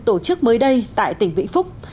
hội chức mới đây tại tỉnh vĩ phúc